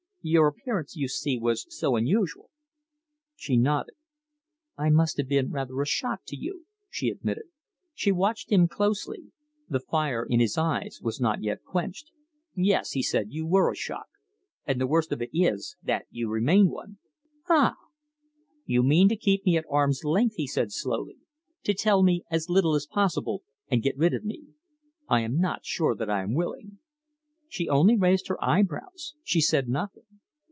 Your appearance, you see, was so unusual." She nodded. "I must have been rather a shock to you," she admitted. She watched him closely. The fire in his eyes was not yet quenched. "Yes!" he said, "you were a shock. And the worst of it is that you remain one!" "Ah!" "You mean to keep me at arm's length," he said slowly, "to tell me as little as possible, and get rid of me. I am not sure that I am willing." She only raised her eyebrows. She said nothing.